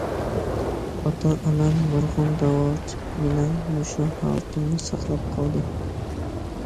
ئاتا- ئانام نۇرغۇن داۋالىتىپ مېنىڭ مۇشۇ ھالىتىمنى ساقلاپ قالدى.